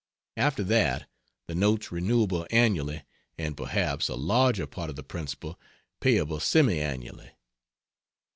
After that, the notes renewable annually and (perhaps) a larger part of the principal payable semi annually.